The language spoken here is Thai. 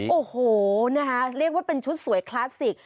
โอ้โหนะคะเรียกว่าเป็นชุดสวยคลาสสิก